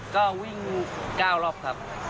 ก็วิ่ง๙รอบครับ